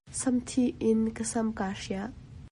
Samthih in ka sam kaa hriah.